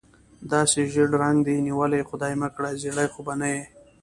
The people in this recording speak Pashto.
داسې ژېړ رنګ دې نیولی، خدای مکړه زېړی خو به نه یې؟